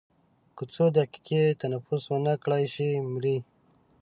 که څو دقیقې تنفس ونه کړای شي مري.